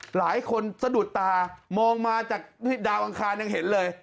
สะดุดตามองมาจากดาวอังคารยังเห็นเลย